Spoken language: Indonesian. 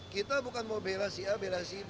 kita bukan mau bela si a bela si b